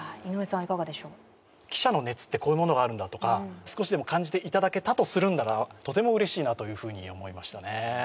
記者の熱って、こういうものがあるんだとか少しでも感じていただけたとするなら、とてもうれしいなと思いましたね。